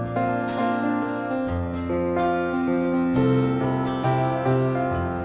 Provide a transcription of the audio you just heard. saudara pendengar yang pengen berkembang ke dunia